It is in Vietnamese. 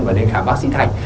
và đến khám bác sĩ thành